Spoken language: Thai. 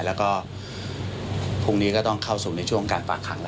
แล้วก็พรุ่งนี้ก็ต้องเข้าสู่ในช่วงการฝากขังแล้ว